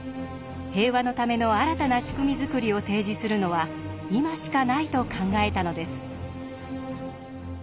平和のための新たな仕組み作りを提示するのは今しかないと考えたのです。